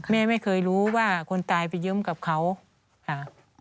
แม่ไม่เคยรู้ว่าคนตายไปเยิ้มกับเขาค่ะ